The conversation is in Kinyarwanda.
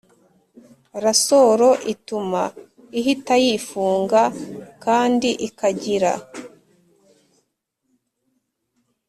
rasoro ituma ihita yifunga kandi ikagira